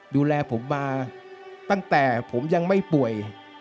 ดูแลผมมาตั้งแต่ผมยังไม่ป่วย